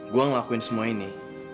gue ngelakuin semua ini